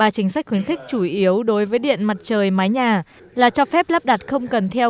chuyến khích chủ yếu đối với điện mặt trời mái nhà là cho phép lắp đặt không cần theo